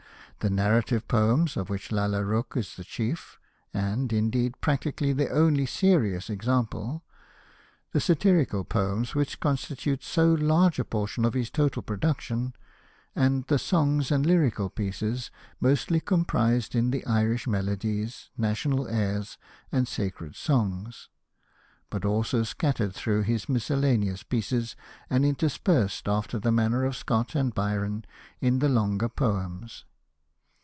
the narrative poems of which Lalla Rookh is the chief, and, indeed, practically the only serious example ; the satirical poems which constitute so laj ge a portion of his total production ; and the songs and lyrical Hosted by Google XIV POETRY OF THOMAS MOORE pieces, mostly comprised in the Irish Melodies^ National Airs^ and Sac7'ed Songs ^ but also scattered through his miscellaneous pieces, and interspersed, after the manner of Scott and Byron, in the longer poems.